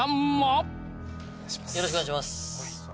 よろしくお願いします。